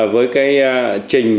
với cái trình